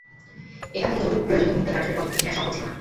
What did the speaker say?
এখান থেকে জরুরি প্রয়োজনী মুহূর্তে কার্যকরী পদক্ষেপ নেওয়া সম্ভব ছিল না।